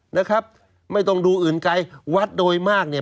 นะครับไม่ต้องดูอื่นไกลวัดโดยมากเนี่ย